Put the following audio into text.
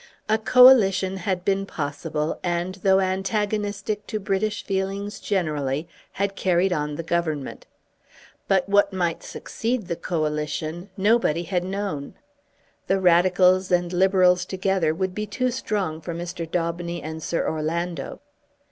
A Coalition had been possible and, though antagonistic to British feelings generally, had carried on the Government. But what might succeed the Coalition, nobody had known. The Radicals and Liberals together would be too strong for Mr. Daubeny and Sir Orlando.